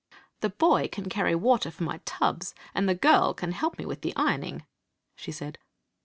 "The boy can carry water for my tulK» and ^ girl can help me with die ironing," she said.